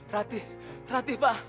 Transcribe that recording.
rati rati pak